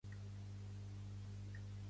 Pertany al moviment independentista la Patri?